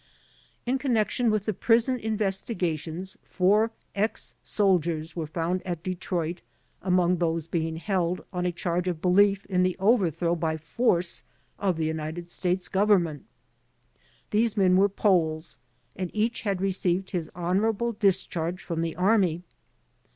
In connection with the prison investigations four ex soldiers were found at Detroit among those being held on a charge of belief in the overthrow by force of the United States Government. These men were Poles, and each had received his honorable discharge from the Army.